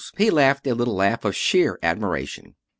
He laughed a little laugh of sheer admiration.